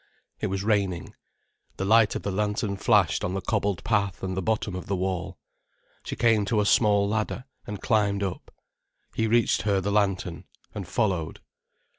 It was raining. The light of the lantern flashed on the cobbled path and the bottom of the wall. She came to a small ladder, and climbed up. He reached her the lantern, and followed.